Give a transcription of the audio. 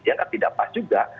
dia kan tidak pas juga